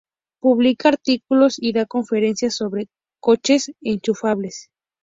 Publica artículos y da conferencias sobre coches enchufables.